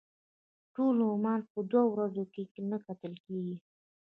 ټول عمان په دوه ورځو کې نه کتل کېږي.